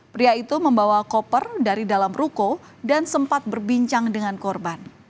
pria itu membawa koper dari dalam ruko dan sempat berbincang dengan korban